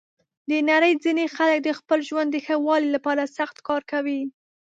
د نړۍ ځینې خلک د خپل ژوند د ښه والي لپاره سخت کار کوي.